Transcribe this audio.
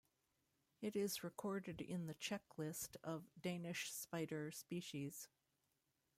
It is recorded in the checklist of Danish spider species.